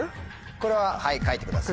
これは書いてください。